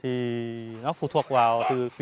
thì nó phụ thuộc vào còn các vấn đề khác nữa